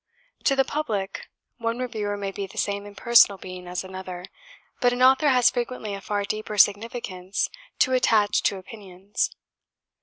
To the public, one reviewer may be the same impersonal being as another; but an author has frequently a far deeper significance to attach to opinions.